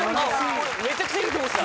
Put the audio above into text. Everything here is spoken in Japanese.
俺めちゃくちゃいると思ってた。